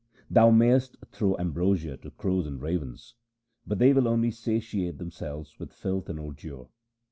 Thou mayest throw ambrosia to crows and ravens, but they will only satiate themselves with filth and ordure.